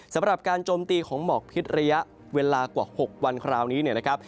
สำหรับการโจมตีของหมอกพิษระยะเวลากว่า๖วันคราวนี้เนี่ยนะครับ